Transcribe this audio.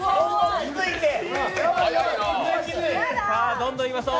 どんどんいきましょう。